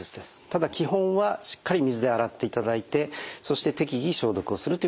ただ基本はしっかり水で洗っていただいてそして適宜消毒をするということが必要になると思います。